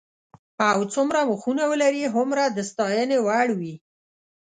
او څومره مخونه ولري هومره د ستاینې وړ وي.